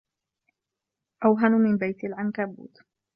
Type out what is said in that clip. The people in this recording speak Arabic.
أوهن من بيت العنكبوت